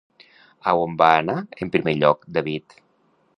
On va anar, en primer lloc, David?